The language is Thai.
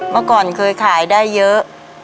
เมื่อก่อนเคยขายได้เยอะ